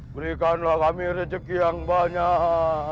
berikanlah kami rezeki yang banyak